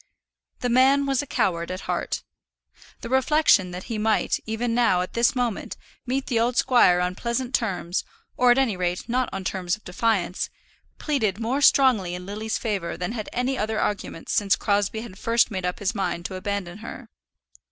The man was a coward at heart. The reflection that he might, even now, at this moment, meet the old squire on pleasant terms, or at any rate not on terms of defiance, pleaded more strongly in Lily's favour than had any other argument since Crosbie had first made up his mind to abandon her.